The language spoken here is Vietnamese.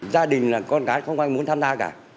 gia đình là con cái không ai muốn tham gia cả